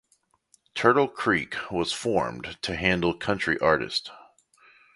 Turtle Creek was formed to handle country artist.